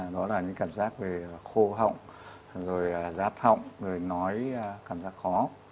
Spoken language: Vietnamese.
đó là những cảm giác về khô họng rồi rát họng rồi nói cảm giác khó